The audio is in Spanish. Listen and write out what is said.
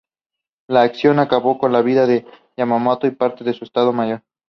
La acción acabó con la vida de Yamamoto y parte de su Estado Mayor.